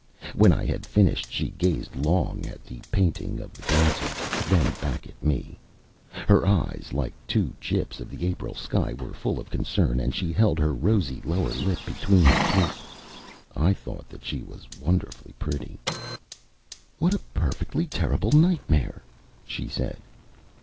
When I had finished, she gazed long at the painting of the dancers, then back at me. Her eyes, like two chips of the April sky, were full of concern and she held her rosy lower lip between her teeth. I thought that she was wonderfully pretty. "What a perfectly terrible nightmare!" she said.